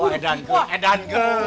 oh edan gun edan gun